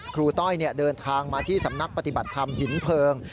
ต้อยเดินทางมาที่สำนักปฏิบัติธรรมหินเพลิง